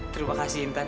terima kasih intan